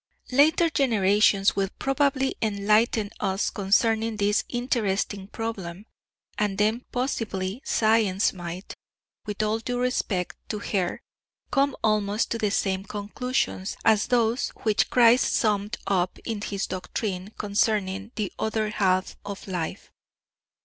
Later generations will probably enlighten us concerning this interesting problem, and then possibly science might with all due respect to her come almost to the same conclusions as those which Christ summed up in his doctrine concerning the other half of life.